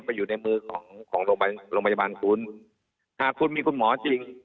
ไปอยู่ในมือของโรงพยาบาลคุณถ้าคุณมีคุณหมอจริง